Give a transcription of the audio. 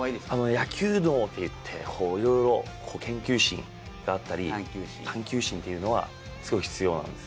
野球脳っていって、研究心があったり探究心というのはすごい必要なんです。